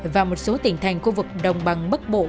và một số tỉnh thành khu vực đồng bằng bắc bộ